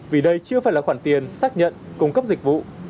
vì đây chưa phải là khoản tiền xác nhận cung cấp dịch vụ